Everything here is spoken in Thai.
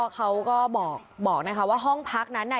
เขาก็บอกนะคะว่าห้องพักนั้นน่ะ